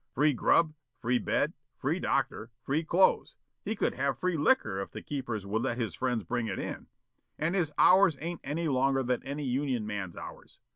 Free grub, free bed, free doctor, free clothes, he could have free liquor if the keepers would let his friends bring it in, and his hours ain't any longer than any union man's hours.